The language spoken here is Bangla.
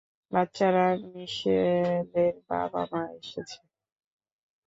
বাচ্চারা, মিশেলের বাবা-মা এসেছে।